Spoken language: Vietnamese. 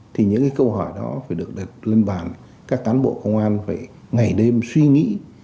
thì những cái câu hỏi đó phải được đặt lên bản các cán bộ công an phải ngày đêm suy nghĩ